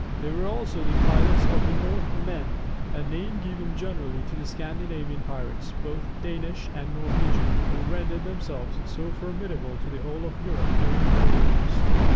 They were also the pilots of the Northmen, a name given generally to the Scandinavian pirates, both Danish and Norwegian, who rendered themselves so formidable to the whole of Europe during the Middle Ages.